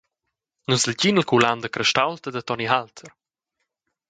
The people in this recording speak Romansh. Nus legin il Culan da Crestaulta da Toni Halter.